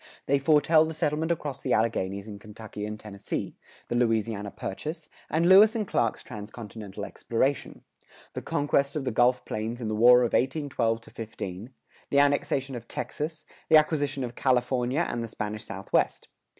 They foretell the settlement across the Alleghanies in Kentucky and Tennessee; the Louisiana Purchase, and Lewis and Clark's transcontinental exploration; the conquest of the Gulf Plains in the War of 1812 15; the annexation of Texas; the acquisition of California and the Spanish Southwest.